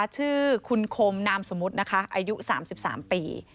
ชื่อคุณคมนามสมมุตินะคะอายุ๓๓ปี